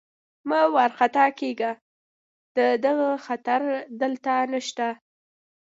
مه وارخطا کېږئ، د دغه خطر دلته نشته.